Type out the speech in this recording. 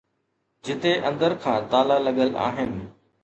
جتي اندر کان تالا لڳل آهن